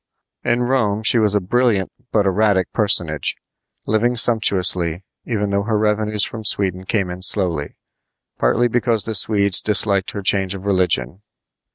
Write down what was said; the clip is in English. In Rome she was a brilliant but erratic personage, living sumptuously, even though her revenues from Sweden came in slowly, partly because the Swedes disliked her change of religion.